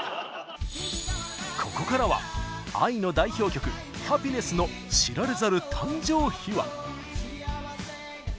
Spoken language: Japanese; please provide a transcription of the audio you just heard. ここからはＡＩの代表曲「ハピネス」の知られざる誕生秘話！